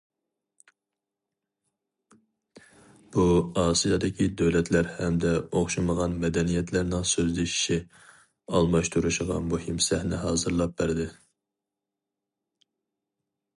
بۇ ئاسىيادىكى دۆلەتلەر ھەمدە ئوخشىمىغان مەدەنىيەتلەرنىڭ سۆزلىشىشى، ئالماشتۇرۇشىغا مۇھىم سەھنە ھازىرلاپ بەردى.